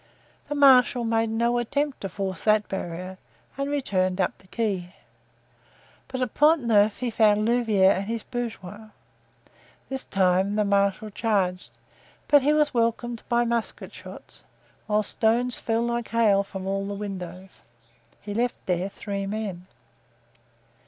The marshal made no attempt to force that barrier and returned up the quay. But at Pont Neuf he found Louvieres and his bourgeois. This time the marshal charged, but he was welcomed by musket shots, while stones fell like hail from all the windows. He left there three men.